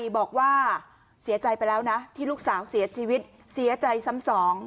บอกว่าเสียใจไปแล้วนะที่ลูกสาวเสียชีวิตเสียใจซ้ำสอง